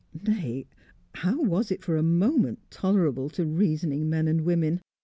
Nay, how was it for a moment tolerable to reasoning men and women?